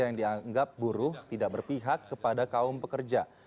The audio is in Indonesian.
yang dianggap buruh tidak berpihak kepada kaum pekerja